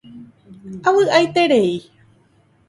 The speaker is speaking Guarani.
Avy'aiterei.